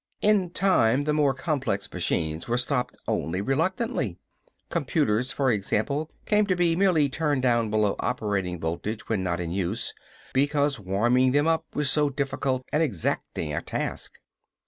In time the more complex machines were stopped only reluctantly. Computers, for example, came to be merely turned down below operating voltage when not in use, because warming them up was so difficult and exacting a task.